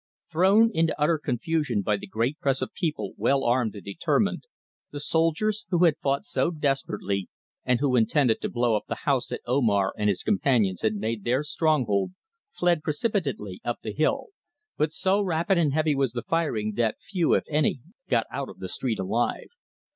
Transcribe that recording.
THROWN into utter confusion by the great press of people well armed and determined, the soldiers, who had fought so desperately, and who intended to blow up the house that Omar and his companions had made their stronghold, fled precipitately up the hill, but so rapid and heavy was the firing, that few, if any, got out of the street alive.